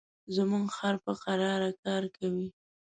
زموږ خر په کراره کار کوي.